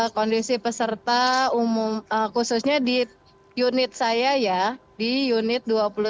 kondisi peserta khususnya di unit saya ya di unit dua puluh tujuh